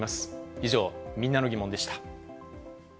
以上、みんなのギモンでした。